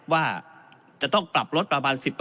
ว่าจะต้องปรับลดประมาณ๑๐